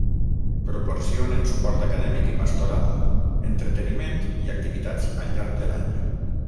Proporcionen suport acadèmic i pastoral, entreteniment i activitats al llarg de l'any.